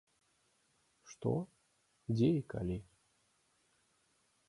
Што, дзе і калі?